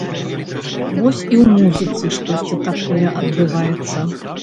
Вось і ў музыцы штосьці такое адбываецца.